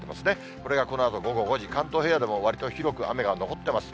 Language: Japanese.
これがこのあと午後５時、関東平野でもわりと広く雨が残ってます。